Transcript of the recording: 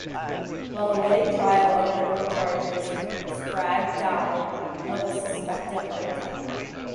While awaiting trial on criminal charges, Sprague died of a suspected heart attack.